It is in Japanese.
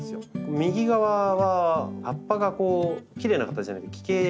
右側は葉っぱがこうきれいな形じゃなくて奇形になって。